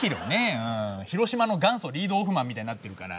広島の元祖リードオフマンみたいになってるから。